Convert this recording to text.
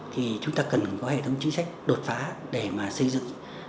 thì chúng ta cần có hệ thống chính sách đột phá để mà xây dựng